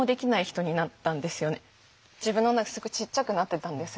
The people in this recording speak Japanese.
自分はすごいちっちゃくなってたんです。